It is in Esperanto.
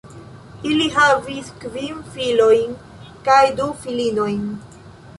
Ili havis kvin filojn kaj du filinojn.